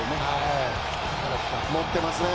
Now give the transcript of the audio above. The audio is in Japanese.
持ってますね